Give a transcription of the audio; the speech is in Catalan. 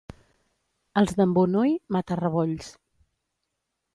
Els d'Embonui, mata-rebolls.